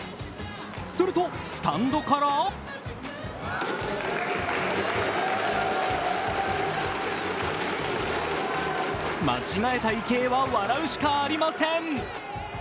すると、スタンドから間違えた池江は笑うしかありません。